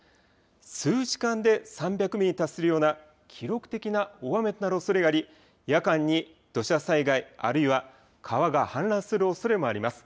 数時間で３００ミリに達するような記録的な大雨となるおそれがあり夜間に土砂災害、あるいは川が氾濫するおそれもあります。